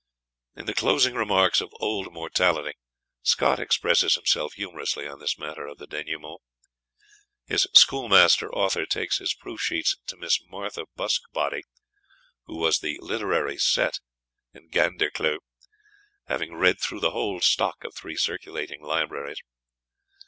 In the closing remarks of "Old Mortality" Scott expresses himself humorously on this matter of the denouement. His schoolmaster author takes his proofsheets to Miss Martha Buskbody, who was the literary set in Gandercleugh, having read through the whole stock of three circulating libraries.